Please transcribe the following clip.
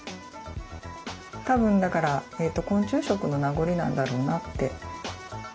多分だから昆虫食の名残なんだろうなって。